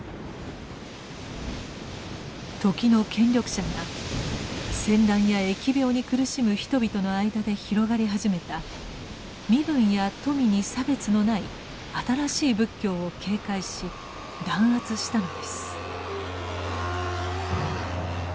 時の権力者が戦乱や疫病に苦しむ人々の間で広がり始めた身分や富に差別のない新しい仏教を警戒し弾圧したのです。